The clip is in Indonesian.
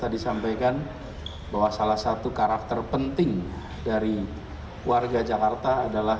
dengan dinamika tapi saya tadi sampaikan bahwa salah satu karakter penting dari warga jakarta adalah